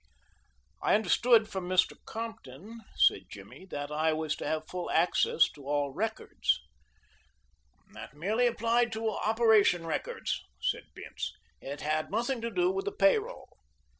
"I understood from Mr. Compton," said Jimmy, "that I was to have full access to all records." "That merely applied to operation records," said Bince. "It had nothing to do with the pay roll."